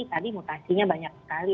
tadi mutasinya banyak sekali